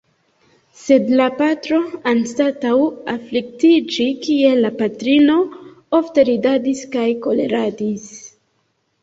Sed la patro, anstataŭ afliktiĝi kiel la patrino, ofte ridadis kaj koleradis.